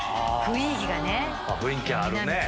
雰囲気あるね。